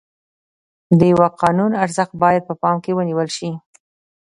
د یوه قانون ارزښت باید په پام کې ونیول شي.